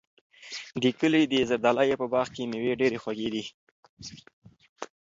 د کلي د زردالیو په باغ کې مېوې ډېرې خوږې دي.